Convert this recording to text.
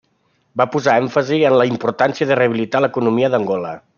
Va posar èmfasi en la importància de rehabilitar l'economia d'Angola.